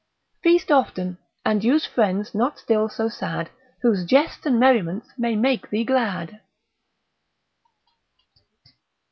Feast often, and use friends not still so sad, Whose jests and merriments may make thee glad.